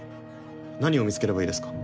何を見つければいいですか？